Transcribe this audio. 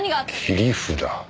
切り札。